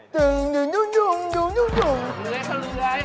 เหลือผลวิกา